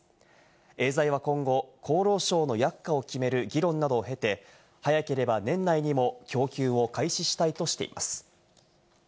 エーザイは今後、厚労省の薬価を決める議論などを経て、早ければ年内にも供給を開始したいとしています。